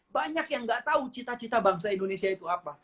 banyak yang gak tahu cita cita bangsa indonesia itu apa